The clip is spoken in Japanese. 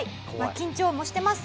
緊張もしてます。